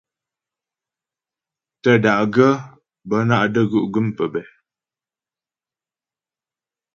Tə́da'gaə́ bə́ ná’ də́gú' gə́m pəbɛ̂.